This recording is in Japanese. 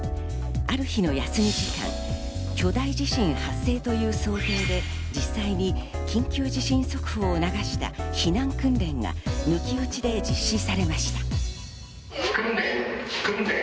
ある日の休み時間、巨大地震発生という想定で、実際に緊急地震速報を流した避難訓練が抜き打ちで実施されました。